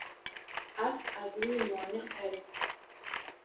اسب از روی مانع پرید.